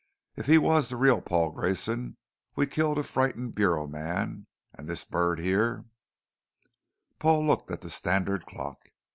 If he was the real Grayson, we've killed a frightened Bureau man, and this bird here " Paul looked at the standard clock.